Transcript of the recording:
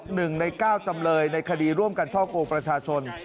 หนึ่งในเก้าจำเลยในคดีร่วมกันช่อกงประชาชน